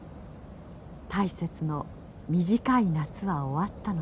大雪の短い夏は終わったのです。